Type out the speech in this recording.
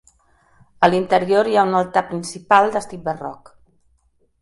A l'interior hi ha un altar principal d'estil barroc.